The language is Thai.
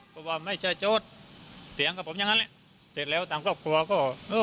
เขาบอกว่าไม่ใช่โจ๊ดเสียงกับผมอย่างงั้นเนี้ยเสร็จแล้วตามครอบครัวก็เอ้อ